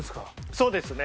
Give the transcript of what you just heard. そうですね。